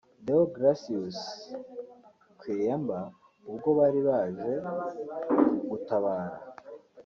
Deogratius Kweyamba ubwo bari baje gutabara